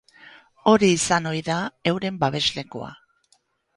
Hori izan ohi da euren babeslekua.